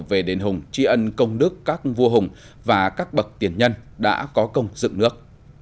về đền hùng tri ân công đức các vua hùng và các bậc tiền nhân đã có công dựng nước